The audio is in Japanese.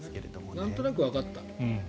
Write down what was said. なんとなくわかった。